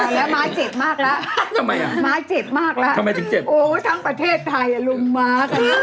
แล้วม้าเจ็บมากแล้วทำไมล่ะมาเจ็บมากแล้วโอ้ทั้งประเทศไทยลุงม้า